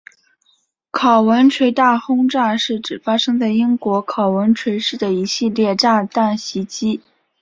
考文垂大轰炸是指发生在英国考文垂市的一系列炸弹袭击。